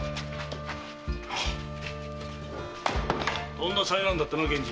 とんだ災難だったな源次。